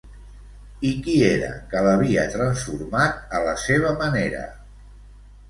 I qui era que l'havia transformat a la seva manera?